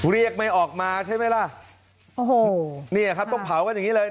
เรียกไม่ออกมาใช่ไหมล่ะโอ้โหเนี่ยครับต้องเผากันอย่างงี้เลย